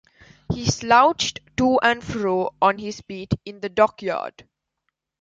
He slouched to and fro on his beat in the dockyard.